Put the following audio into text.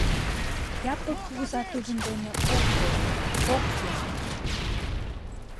Япык кугыза тудын дене ок пойо, ок йом...